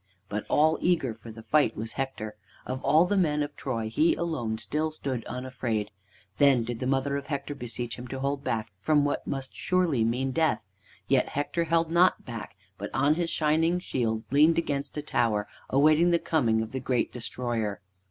But all eager for the fight was Hector. Of all the men of Troy he alone still stood unafraid. Then did the mother of Hector beseech him to hold back from what must surely mean death. Yet Hector held not back, but on his shining shield leaned against a tower, awaiting the coming of the great destroyer.